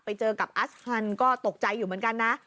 ไปเจอกับอัสฮันก็ตกใจอยู่เหมือนกันนะ